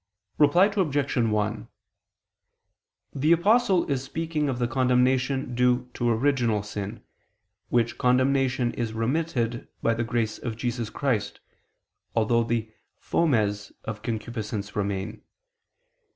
Reply Obj. 1: The Apostle is speaking of the condemnation due to original sin, which condemnation is remitted by the grace of Jesus Christ, although the fomes of concupiscence remain.